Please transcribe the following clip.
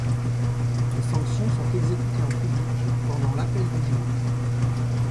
Les sanctions sont exécutées en public pendant l’appel du jour.